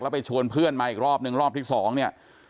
แล้วไปชวนเพื่อนมาอีกรอบหนึ่งรอบที่๒เนี่ย